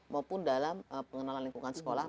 maupun dalam pengenalan lingkungan sekolah